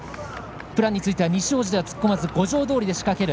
プランについては西大路通では突っ込まず、五条通で仕掛ける。